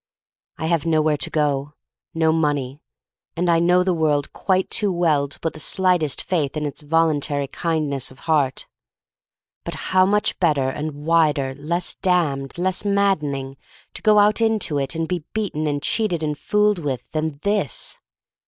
I have nowhere to go — no money, and I know the world quite too well to put the slightest faith in its voluntary kindness of heart. But how much better and wider, less damned, less maddening, to go out into it and be beaten and cheated and fooled with, than this!